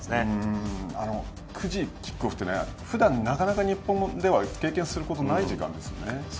９時キックオフというのはなかなか日本では経験することのない時間ですよね。